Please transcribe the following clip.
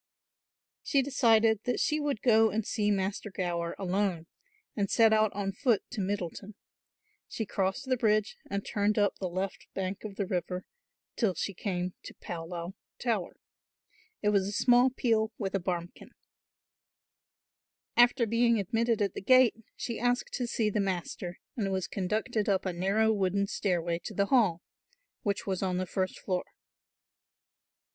She decided that she would go and see Master Gower alone and set out on foot to Middleton. She crossed the bridge and turned up to the left bank of the river till she came to Pawlaw Tower. It was a small pele with a barmkin. A small tower with a little enclosure or courtyard. After being admitted at the gate, she asked to see the master, and was conducted up a narrow wooden stairway to the hall, which was on the first floor.